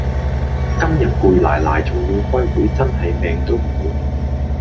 今日攰賴賴仲要開會真係命都無